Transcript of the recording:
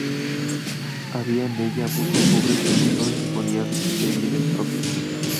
Había en ella muchos pobres y no disponían de bienes propios.